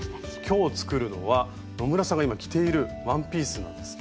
今日作るのは野村さんが今着ているワンピースなんですって。